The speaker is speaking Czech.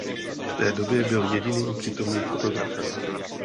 V té době byl jediným přítomným fotografem.